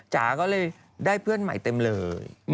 จ๋าก็เลยได้เพื่อนใหม่เต็มเลย